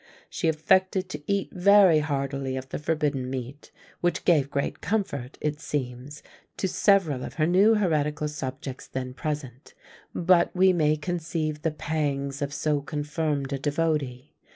She affected to eat very heartily of the forbidden meat, which gave great comfort, it seems, to several of her new heretical subjects then present: but we may conceive the pangs of so confirmed a devotee.